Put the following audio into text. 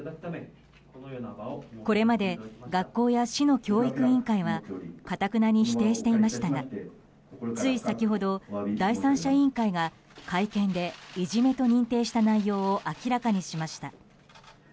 これまで学校や市の教育委員会はかたくなに否定していましたがつい先ほど第三者委員会が会見でいじめと認定した内容を明らかにしました。